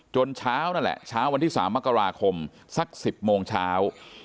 เช้านั่นแหละเช้าวันที่๓มกราคมสัก๑๐โมงเช้า